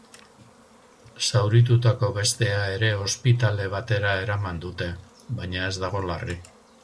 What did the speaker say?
Zauritutako bestea ere ospitale batera eraman dute, baina ez dago larri.